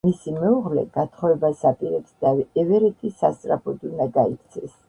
მისი მეუღლე გათხოვებას აპირებს და ევერეტი სასწრაფოდ უნდა გაიქცეს.